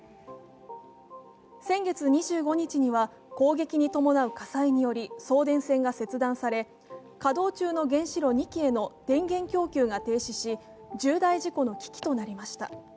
先月２５日には攻撃に伴う火災により送電線が切断され、稼働中の原子炉２基への電源供給が停止し、重大事故の危機となりました。